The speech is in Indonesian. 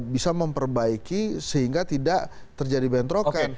bisa memperbaiki sehingga tidak terjadi bentrokan